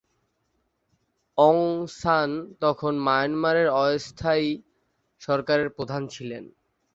অং San তখন মায়ানমারের অস্থায়ী সরকারের প্রধান ছিলেন।